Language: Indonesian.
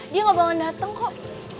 dia gak bakalan datang kok